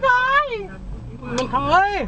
เราไม่เป็นไรเราหลบได้